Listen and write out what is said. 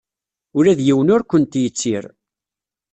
Ula d yiwen ur kent-yettir.